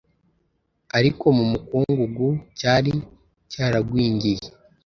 ariko mu bukungu cyari cyaragwingiye.